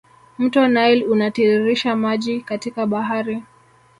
Mto nile unatiririsha maji katika bahari